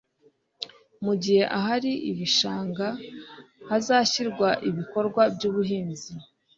mu gihe ahari ibishanga hazashyirwa ibikorwa by'ubuhinzi.